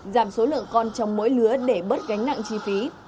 giảm số lượng con trong mỗi lứa để bớt gánh nặng chi phí